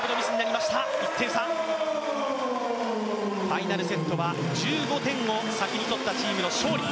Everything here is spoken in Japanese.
ファイナルセットは１５点を先にとった方の勝利。